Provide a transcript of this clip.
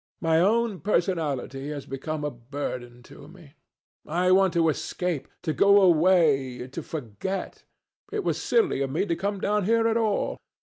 My own personality has become a burden to me. I want to escape, to go away, to forget. It was silly of me to come down here at all.